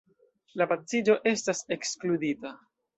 La paciĝo estas ekskludita.